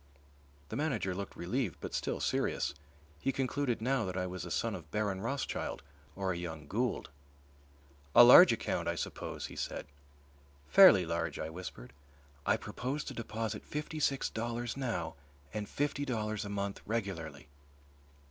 The manager looked relieved but still serious; he concluded now that I was a son of Baron Rothschild or a young Gould. "A large account, I suppose," he said. "Fairly large," I whispered. "I propose to deposit fifty six dollars now and fifty dollars a month regularly."